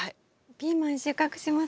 ピーマン収穫しますね。